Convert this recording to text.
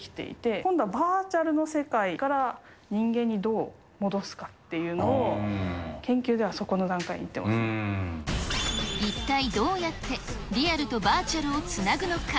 今度はバーチャルの世界から人間にどう戻すかっていうのを研究で一体どうやってリアルとバーチャルをつなぐのか。